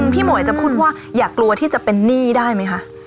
หมวยจะพูดว่าอย่ากลัวที่จะเป็นหนี้ได้ไหมคะ